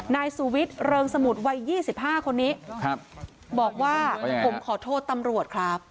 นายสูวิทย์เริงสมุดวัยยี่สิบห้าคนนี้ครับบอกว่าผมขอโทษตำลวดครับ